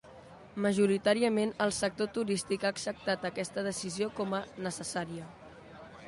Majoritàriament, el sector turístic ha acceptat aquesta decisió com a "necessària".